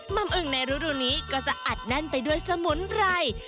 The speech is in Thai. ่ำอึงในฤดูนี้ก็จะอัดแน่นไปด้วยสมุนไพร